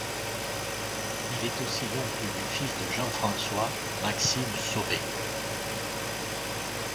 Il est aussi l'oncle du fils de Jean-François, Maxime Sauvé.